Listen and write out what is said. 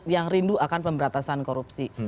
yang rindu akan pemberantasan korupsi